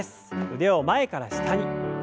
腕を前から下に。